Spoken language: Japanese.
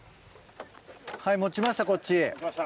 はい持ちましたこっち持った。